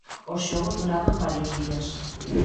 Os xogos duraban varios días.